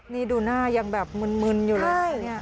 นี่ดูหน้ายังแบบมึนอยู่เลยเนี่ย